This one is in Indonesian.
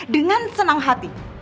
dengan senang hati